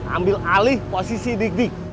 ambil alih posisi didik